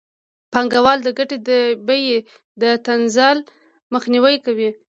پانګوال د ګټې د بیې د تنزل مخنیوی کوي